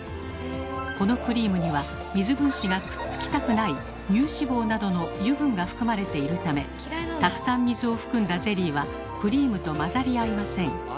このクリームには水分子がくっつきたくない乳脂肪などの油分が含まれているためたくさん水を含んだゼリーはクリームと混ざり合いません。